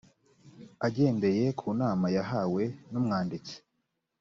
agendeye ku nama yahawe n umwanditsi